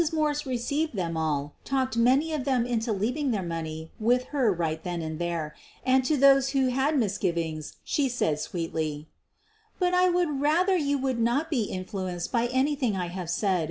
Morse re ceived them all, talked many of them into leaving their money with her right then and there, and to those who had misgivings she said sweetly: "But I would rather you would not be influenced by anything I have said.